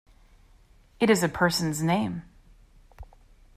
It is a person's name.